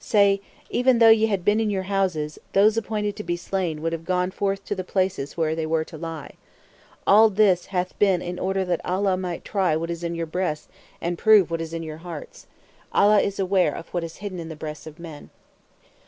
Say: Even though ye had been in your houses, those appointed to be slain would have gone forth to the places where they were to lie. (All this hath been) in order that Allah might try what is in your breasts and prove what is in your hearts. Allah is Aware of what is hidden in the breasts (of men).